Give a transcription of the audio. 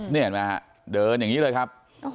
นี่เห็นไหมฮะเดินอย่างนี้เลยครับ